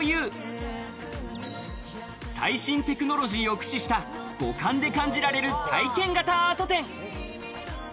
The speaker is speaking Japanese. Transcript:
最新テクノロジーを駆使した、五感で感じられる体験型アート展。